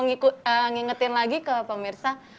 nah mau ngingetin lagi ke pemirsa